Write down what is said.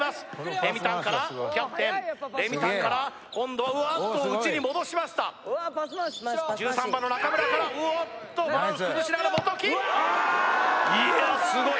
レミたんからキャプテンレミたんから今度は内に戻しました１３番の中村からおっとバランス崩しながら元木いやスゴい